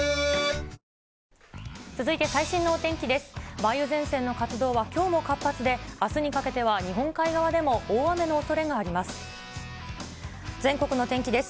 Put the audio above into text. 梅雨前線の活動はきょうも活発で、あすにかけては日本海側でも大雨のおそれがあります。